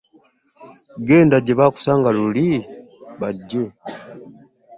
Genda gye baakusanga luli bajje.